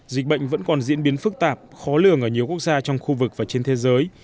dịch bệnh vẫn còn diễn biến phức tạp khó lường ở nhiều quốc gia trong khu vực và trên thế giới